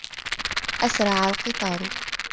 أَسْرَعُ الْقِطَارُ.